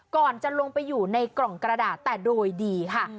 ก่อนจะลงไปอยู่ในกล่องกระดาษแต่โดยดีค่ะ